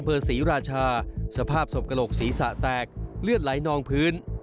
ศรีราชาสภาพศพกระโหลกศีรษะแตกเลือดไหลนองพื้น